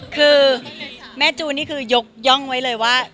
คือแม่จูนนี่คือยกย่องไว้เลยว่า